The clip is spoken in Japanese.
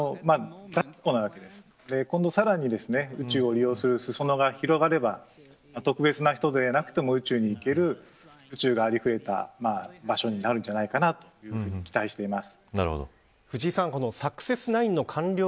今後さらに宇宙を利用する裾野が広がれば特別な人でなくても宇宙に行ける宇宙がありふれた場所になるんじゃないかなというふうに期待しています。